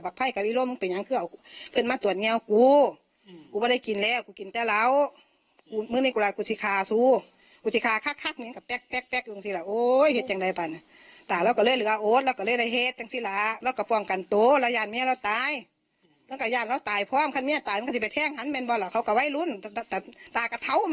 แค่งั้นมันบ้าล่ะเขาก็ไว้รุ้นแต่ตากระเทามันบ้าศิษย์มันไว้บ้ามันบ้าล่ะ